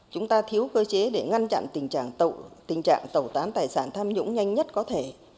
chúng ta thiếu cơ chế để ngăn chặn tình trạng tẩu tán tài sản tham nhũng nhanh nhất có thể